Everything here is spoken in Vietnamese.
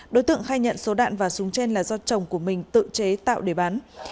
đối tượng khai nhận số đạn và súng trên là do chồng của mình tự chế tạo để bán